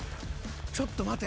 ちょっと待て。